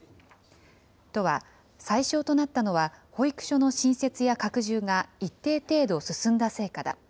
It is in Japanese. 都は、最少となったのは、保育所の新設や拡充が一定程度、進んだ成果だ。